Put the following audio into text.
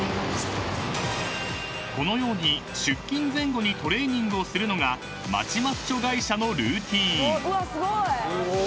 ［このように出勤前後にトレーニングをするのが街マッチョ会社のルーティン］